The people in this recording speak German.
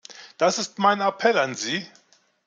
Das ist mein Appell an sie.